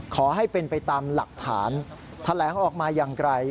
ขอให้เป็นไปตามหลักฐานแถลงออกมาอย่างไกล